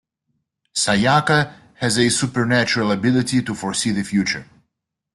Sayaka has a supernatural ability to foresee the future.